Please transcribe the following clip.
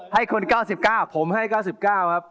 ให้คน๙๙ผมให้๙๙ครับ